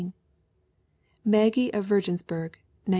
Maggie of Virginsburg, 1918.